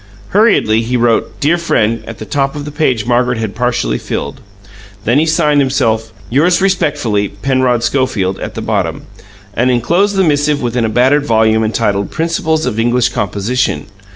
Hurriedly he wrote "Dear freind" at the top of the page Margaret had partially filled. Then he signed himself "Yours respectfuly, Penrod Schofield" at the bottom, and enclosed the missive within a battered volume entitled, "Principles of English Composition."